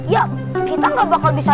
ya kita gak bakal bisa